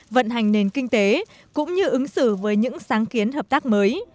vận hành nền kinh tế cũng như ứng xử với những sáng kiến hợp tác mới